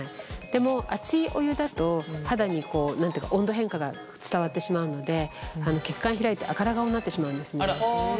でも熱いお湯だと肌に温度変化が伝わってしまうので血管開いて赤ら顔になってしまうんですね。